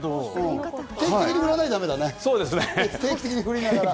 定期的に振らなきゃだめだね。